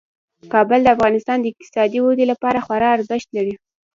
کابل د افغانستان د اقتصادي ودې لپاره خورا ارزښت لري.